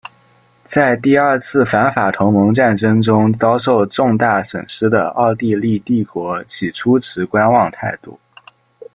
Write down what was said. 在第二次反法同盟战争中遭受重大损失的奥地利帝国起初持观望态度。